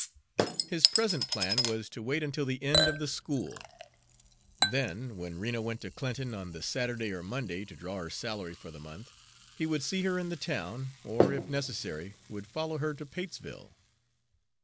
His present plan was to wait until the end of the school; then, when Rena went to Clinton on the Saturday or Monday to draw her salary for the month, he would see her in the town, or, if necessary, would follow her to Patesville.